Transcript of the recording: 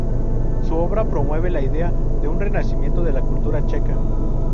Su obra promueve la idea de un renacimiento de la cultura checa.